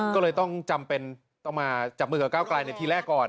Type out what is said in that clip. ก็เลยต้องจำเป็นต้องมาจับมือกับก้าวกลายในทีแรกก่อน